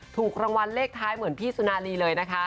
ถูกรางวัลเลขท้ายเหมือนพี่สุนารีเลยนะคะ